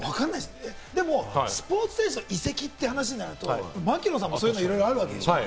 でも、スポーツ選手の移籍という話になると槙野さんもいろいろ、そういうのあるでしょう？